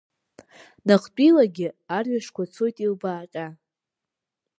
Наҟтәилагьы арҩашқәа цоит илбааҟьа.